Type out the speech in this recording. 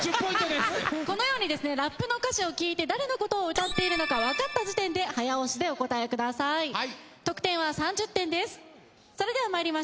このようにですねラップの歌詞を聴いて誰の事を歌っているのか分かった時点で早押しでお答え下さい。